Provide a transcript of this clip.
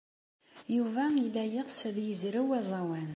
Yuba yella yeɣs ad yezrew aẓawan.